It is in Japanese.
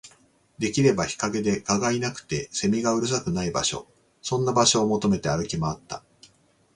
できれば日陰で、蚊がいなくて、蝉がうるさくない場所、そんな場所を求めて歩き回った